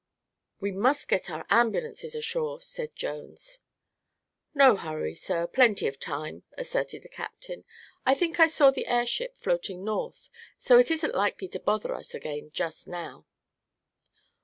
"We must get our ambulances ashore," said Jones. "No hurry, sir; plenty of time," asserted the captain. "I think I saw the airship floating north, so it isn't likely to bother us again just now."